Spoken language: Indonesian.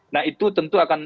nah itu tentu akan